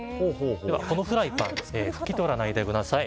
このフライパン拭き取らないでください。